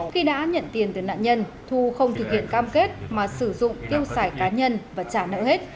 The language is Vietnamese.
khi đã nhận tiền từ nạn nhân thu không thực hiện cam kết mà sử dụng tiêu xài cá nhân và trả nợ hết